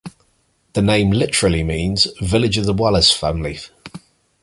The name literally means "village of the Wallis family".